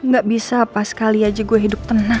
gak bisa apa sekali aja gue hidup tenang